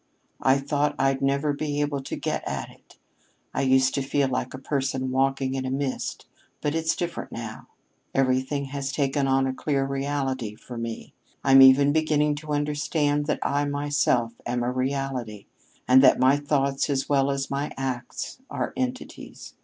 I thought I'd never be able to get at it. I used to feel like a person walking in a mist. But it's different now. Everything has taken on a clear reality to me. I'm even beginning to understand that I myself am a reality and that my thoughts as well as my acts are entities.